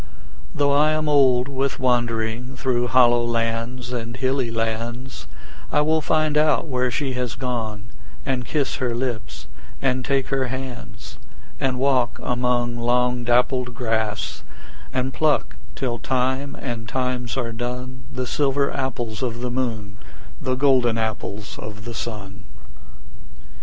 Though I am old with wandering Through hollow lands and hilly lands, I will find out where she has gone, And kiss her lips and take her hands; And walk among long dappled grass, And pluck till time and times are done The silver apples of the moon, The golden apples of the sun.